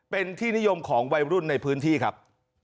เป็นที่นิยมของวัยรุ่นในพื้นที่ครับ